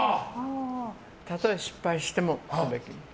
たとえ失敗してもすべき。